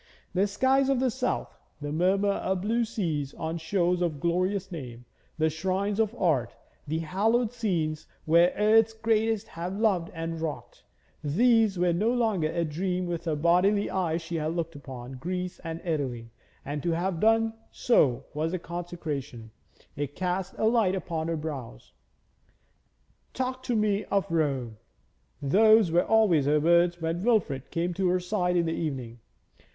The skies of the south, the murmur of blue seas on shores of glorious name, the shrines of Art, the hallowed scenes where earth's greatest have loved and wrought, these were no longer a dream with her bodily eyes she had looked upon Greece and Italy, and to have done so was a consecration, it cast a light upon her brows. 'Talk to me of Rome;' those were always her words when Wilfrid came to her side in the evening.